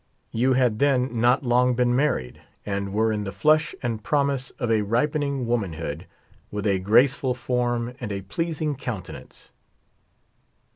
You had then not long been married, and were in the flush and promise of a ripening womanhood, with a graceful form and a pleasing countenance.